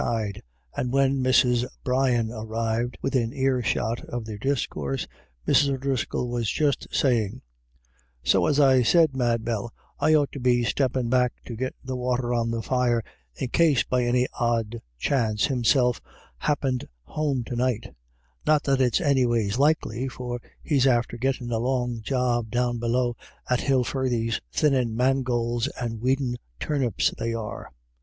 side, and when Mrs. Brian arrived within earshot of their discourse, Mrs. O'Driscoll was just saying :" So, as I said, Mad Bell, I ought to be steppin' back to git the water on the fire, in case by any odd chance Himself happint home to night ; not that it's anyways likely, for he's after gittin' a long job down below at Hilfirthy's — thinnin' mangolds and weedin* turnips they are.